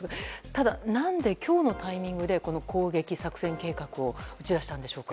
ただ、何で今日のタイミングで攻撃作戦計画を打ち出したんでしょうか。